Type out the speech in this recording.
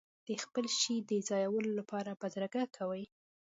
د خپل شي د ځایولو لپاره بدرګه کوي.